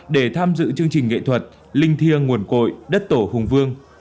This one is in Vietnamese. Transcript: để tham dự chương trình nghệ thuật linh thiêng nguồn cội đất tổ hùng vương